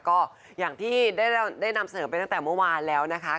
ก็อย่างที่ได้นำเสนอไปตั้งแต่เมื่อวานแล้วนะคะ